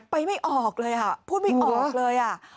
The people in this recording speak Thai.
ไม่ออกเลยค่ะพูดไม่ออกเลยอ่ะ